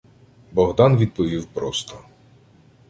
Богдан відповів просто: